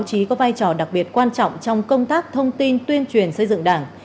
chí có vai trò đặc biệt quan trọng trong công tác thông tin tuyên truyền xây dựng đảng